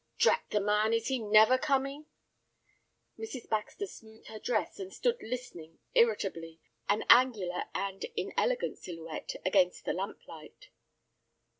"Drat the man, is he never coming!" Mrs. Baxter smoothed her dress, and stood listening irritably, an angular and inelegant silhouette against the lamp light.